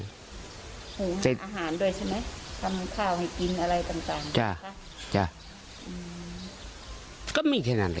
อาหารด้วยใช่ไหมทำข้าวให้กินอะไรต่าง